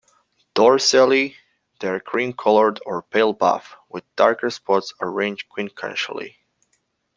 Dorsally they are cream-colored or pale buff, with darker spots arranged quincuncially.